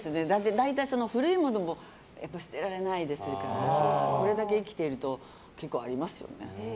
大体古いものも捨てられないですからこれだけ生きていると結構ありますよね。